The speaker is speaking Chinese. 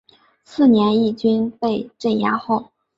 次年义军被镇压后。